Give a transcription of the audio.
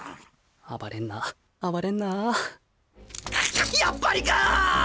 暴れんな暴れんなやっぱりかっ。